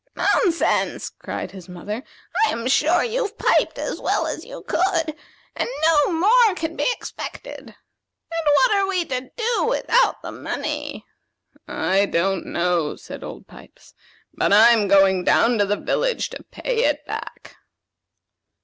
"Nonsense!" cried his mother. "I'm sure you've piped as well as you could, and no more can be expected. And what are we to do without the money?" "I don't know," said Old Pipes; "but I'm going down to the village to pay it back."